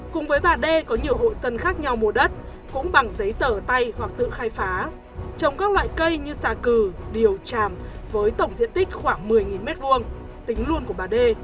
cùng với bà đê có nhiều hộ dân khác nhau mua đất cũng bằng giấy tờ tay hoặc tự khai phá trồng các loại cây như xà cừ điều tràm với tổng diện tích khoảng một mươi m hai tính luôn của bà đê